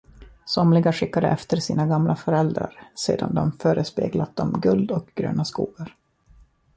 Somliga skickade efter sina gamla föräldrar sedan de förespeglat dem guld och gröna skogar.